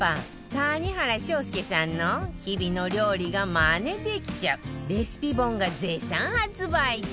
谷原章介さんの日々の料理がマネできちゃうレシピ本が絶賛発売中